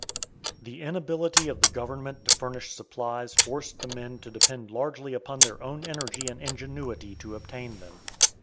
The inability of the government to furnish supplies forced the men to depend largely upon their own energy and ingenuity to obtain them.